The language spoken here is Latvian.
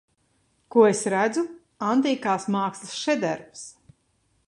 Ko es redzu Antīkās mākslas šedevrs.